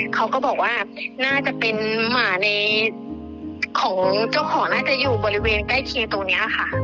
เขาก็บอกว่าน่าจะเป็นหมาในของเจ้าของน่าจะอยู่บริเวณใกล้เคียงตรงนี้ค่ะ